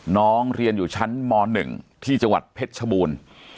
น้องเรียนอยู่ชั้นม๑ที่จังหวัดเพชรชบูรณ์